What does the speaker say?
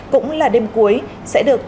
cũng là đêm cuối